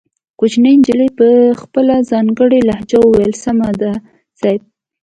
کوچنۍ نجلۍ په خپله ځانګړې لهجه وويل سمه ده صيب.